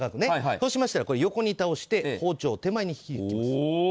そうしたら横に倒して包丁を手前に引きます。